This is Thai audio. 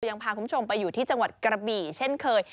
ยังพาคุณผู้ชมไปอยู่ที่จังหวัดกระบี่เช่นเคย